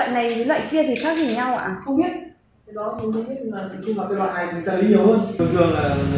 không biết cái đó thì không biết nhưng mà cái loại này thì trả lý nhiều hơn